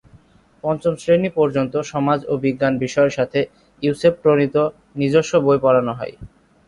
পঞ্চম শ্রেণি পর্যন্ত সমাজ ও বিজ্ঞান বিষয়ের সাথে ইউসেপ প্রণীত নিজস্ব বই পড়ানো হয়।